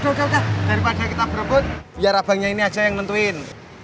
daripada kita berebut biar abangnya ini aja yang nentuin